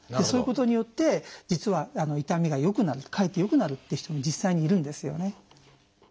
そういうことによって実は痛みが良くなるかえって良くなるっていう人も実際にいるんですよね。